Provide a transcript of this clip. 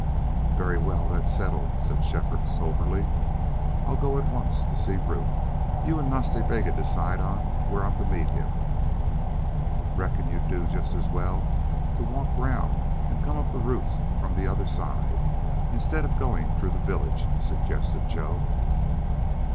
"Very well; that's settled," said Shefford, soberly. "I'll go at once to see Ruth. You and Nas Ta Bega decide on where I'm to meet him." "Reckon you'd do just as well to walk round and come up to Ruth's from the other side instead of going through the village," suggested Joe.